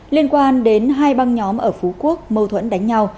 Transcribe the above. liên quan đến hai băng nhóm ở phú quốc mâu thuẫn đánh nhau